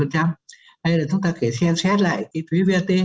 hay là chúng ta phải xem xét lại cái thuế vat